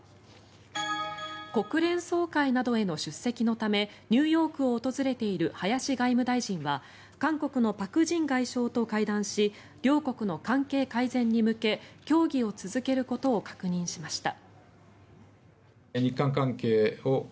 国連総会などへの出席のためニューヨークを訪れている林外務大臣は、韓国のパク・ジン外相と会談し両国の関係改善に向け協議を続けることを確認しました。